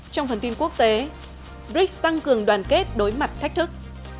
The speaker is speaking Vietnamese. trong phần tin quốc tế brics tăng cường đoàn kết đối mặt thách thức